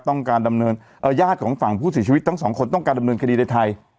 การดำเนินญาติของฝั่งผู้เสียชีวิตทั้งสองคนต้องการดำเนินคดีในไทย